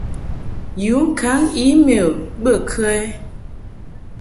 Yu ŋkaŋ e-mail bə kə ɛ?